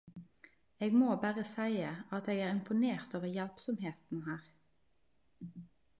Eg må berre seie at eg er imponert over hjelpsomheten her!